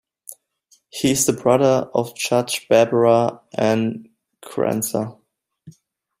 He is the brother of Judge Barbara Ann Crancer.